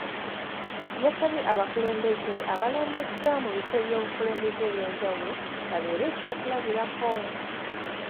Yasabye abakulembeze abalondeddwa mu bifo eby’obukulembeze ebyenjawulo baabeere ekyokulabirako.